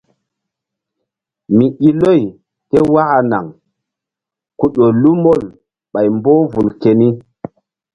Mi i loy ké waka naŋ ku ƴo lu mol ɓay mboh vul keni.